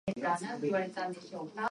These lease arrangements are ongoing.